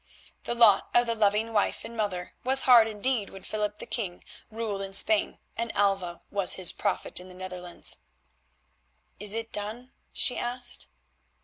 The lot of the loving wife and mother was hard indeed when Philip the King ruled in Spain and Alva was his prophet in the Netherlands. "Is it done?" she asked.